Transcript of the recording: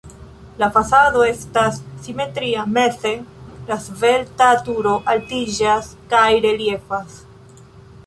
La fasado estas simetria, meze la svelta turo altiĝas kaj reliefas.